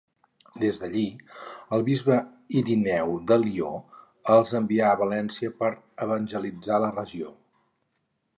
Des d'allí, el bisbe Ireneu de Lió els envià a Valença per evangelitzar la regió.